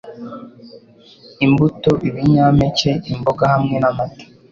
[Imbuto, ibinyampeke, imboga hamwe n’amata